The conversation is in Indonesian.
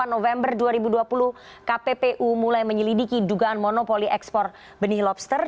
dua puluh november dua ribu dua puluh kppu mulai menyelidiki dugaan monopoli ekspor benih lobster